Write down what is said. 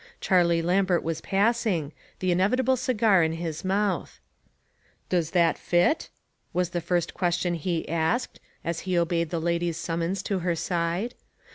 Charlie Lam bert was passing, the inevitable cigar in his mouth. " Does that fit ?" was the first question he asked, as he obeyed the lady's summons to her side.